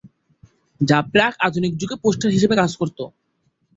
যা প্রাক আধুনিক যুগে পোস্টার হিসেবে কাজ করতো।